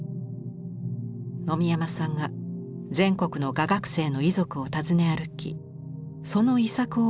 野見山さんが全国の画学生の遺族を訪ね歩きその遺作をまとめたものです。